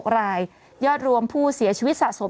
๖รายยอดรวมผู้เสียชีวิตสะสม